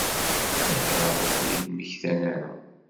Ayɣer ur ten-id-mmektan ara?